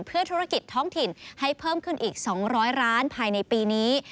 เพื่อธุรกิจท้องถิ่นให้เพิ่มขึ้นอีก๒๐๐ร้านภายในปีนี้